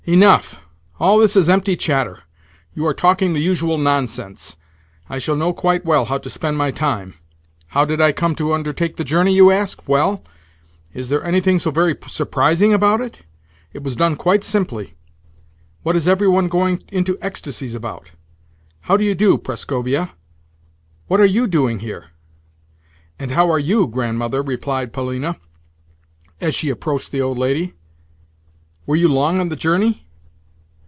"Enough! All this is empty chatter. You are talking the usual nonsense. I shall know quite well how to spend my time. How did I come to undertake the journey, you ask? Well, is there anything so very surprising about it? It was done quite simply. What is every one going into ecstasies about?—How do you do, Prascovia? What are you doing here?" "And how are you, Grandmother?" replied Polina, as she approached the old lady. "Were you long on the journey?"